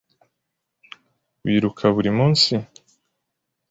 Wiruka buri munsi?